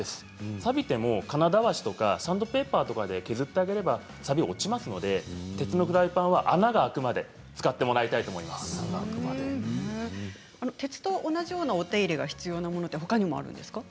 さびても金だわしやサンドペーパーで削ってあげればさびは落ちますので鉄のフライパンは穴が開くまで鉄と同じようなお手入れが必要なものはほかにもあるんですか。